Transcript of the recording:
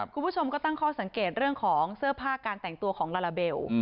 คุณผู้ชมก็ตั้งข้อสังเกตเรื่องของเสื้อผ้าการแต่งตัวของลาลาเบล